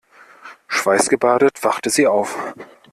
Schweißgebadet wachte sie auf.